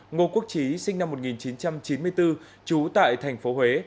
ngô quốc trí sinh năm một nghìn chín trăm chín mươi bốn trú tại thành phố huế